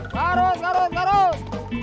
garut garut garut